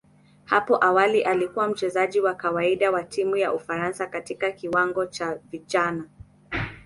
Hapo awali alikuwa mchezaji wa kawaida wa timu ya Ufaransa katika kiwango cha vijana.